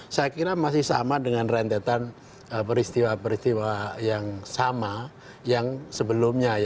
saya kira masih sama dengan rentetan peristiwa peristiwa yang sama yang sebelumnya